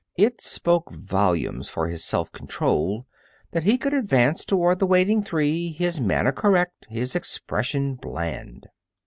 It spoke volumes for his self control that he could advance toward the waiting three, his manner correct, his expression bland.